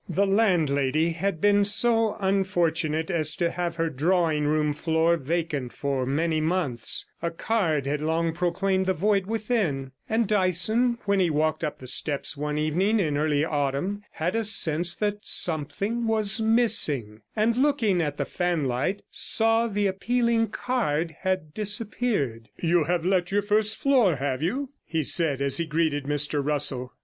The landlady had been so unfortunate as to have her drawing room floor vacant for many months; a card had long proclaimed the void within; and Dyson, when he walked up the steps one evening in early autumn, had a sense that something was missing, and, looking at the fanlight, saw the appealing card had disappeared. 'You have let your first floor, have you?' he said, as he greeted Mr Russell.